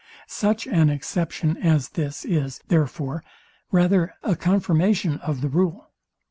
Such an exception as this is, therefore, rather a confirmation of the rule.